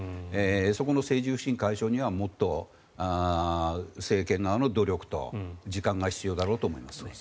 そこの政治不信解消にはもっと政権側の努力と時間が必要だろうと思います。